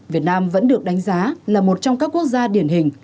việt nam vẫn được đánh giá là một trong các quốc gia điển hình